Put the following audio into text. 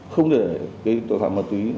không để cái tội phạm ma túy